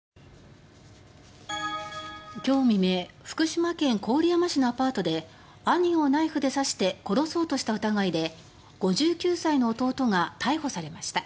今日未明福島県郡山市のアパートで兄をナイフで刺して殺そうとした疑いで５９歳の弟が逮捕されました。